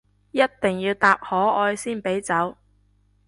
一定要答可愛先俾走